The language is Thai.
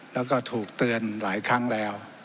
แล้วก็ถูกเตือนหลายครั้งแล้ว